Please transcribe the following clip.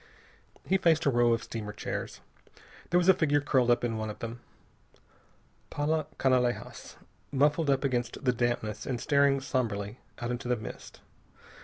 He faced a row of steamer chairs. There was a figure curled up in one of them. Paula Canalejas, muffled up against the dampness and staring somberly out into the mist.